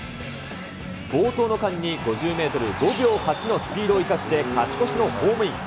暴投の間に５０メートル５秒８のスピードを生かして勝ち越しのホームイン。